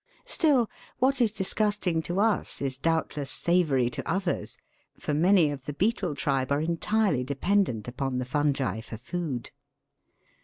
Still, what is disgusting to us is doubtless savoury to others, for many of the beetle tribe are entirely dependent upon the fungi for food.